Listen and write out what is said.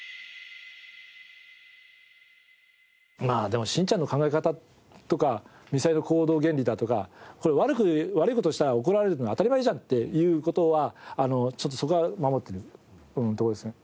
まあでもしんちゃんの考え方とかみさえの行動原理だとかこれ悪く悪い事をしたら怒られるのは当たり前じゃんっていう事はちょっとそこは守ってるとこですね。